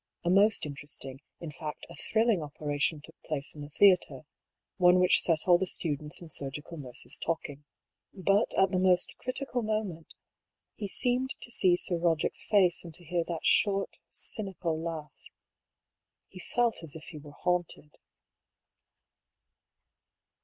A most interesting — in fact, a thrilling opera tion took place in the theatre— one which set all the students and surgical nurses talking. But at the most critical moment he seemed to see Sir Boderick's face and to hear that short, cynical laugh. He felt as if he were haunted.